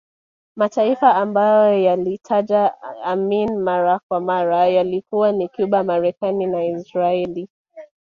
Mataifa ambayo aliyataja Amin mara kwa mara yalikuwa ni Cuba Marekani na Israeli